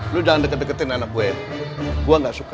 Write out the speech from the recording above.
lu jangan deket deketin anak gue gue nggak suka